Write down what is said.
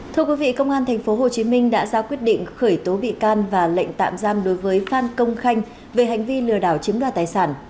thưa quý vị công an tp hcm đã ra quyết định khởi tố bị can và lệnh tạm giam đối với phan công khanh về hành vi lừa đảo chiếm đoạt tài sản